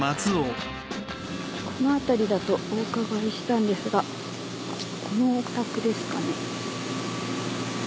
この辺りだとおうかがいしたんですがこのお宅ですかね？